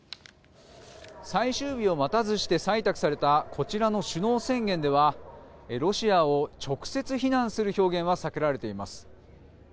最終日を待たずして採択されたこちらの首脳宣言ではロシアを直接非難する表現は避けられています。